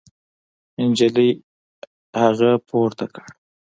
نجلۍ هغه پورته کړ.